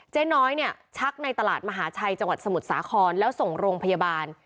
เจ๊น้อยเนี่ยชักในตลาดมหาชัยจังหวัดสมุทรสาครแล้วส่งโรงพยาบาล